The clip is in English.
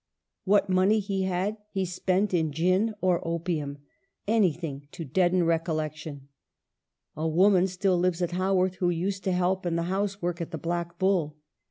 What money he had, he spent in gin or opium, anything to deaden recollection. A woman still lives at Haworth, who used to help in the house work at the " Black Bull."